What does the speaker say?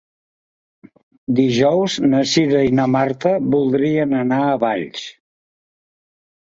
Dijous na Cira i na Marta voldrien anar a Valls.